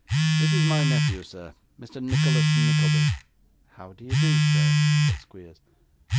'This is my nephew, sir, Mr Nicholas Nickleby.' 'How do you do, sir?' said Squeers.